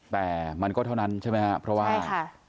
แต่มันก็เท่านั้นใช่ไหมครับเพราะว่า